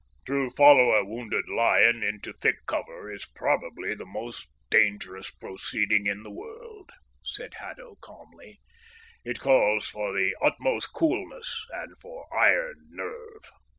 "To follow a wounded lion into thick cover is probably the most dangerous proceeding in the world," said Haddo calmly. "It calls for the utmost coolness and for iron nerve."